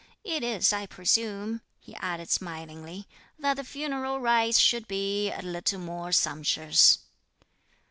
"It is, I presume," he added smilingly, "that the funeral rites should be a little more sumptuous."